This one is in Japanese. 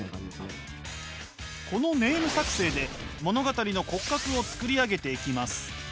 このネーム作成で物語の骨格を作り上げていきます。